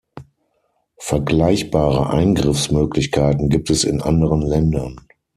Vergleichbare Eingriffsmöglichkeiten gibt es in anderen Ländern.